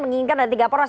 menginginkan ada tiga poros